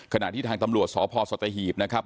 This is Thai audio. ขณะที่ทางตำรวจสพสัตหีบนะครับ